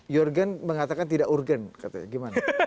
jorgen mengatakan tidak urgen katanya gimana